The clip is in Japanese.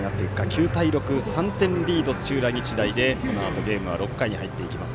９対６、３点リードで土浦日大でこのあとゲームは６回に入っていきます。